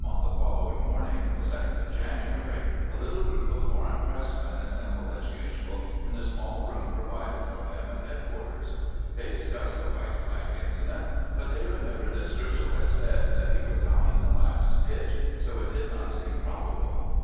on the following morning, the 2nd of January, a little group of foreign pressmen assembled as usual in the small room provided for them at head quarters. They discussed the white flag incident; but they remembered that Stoessel had said that he would die in the last ditch, so it did not seem probable.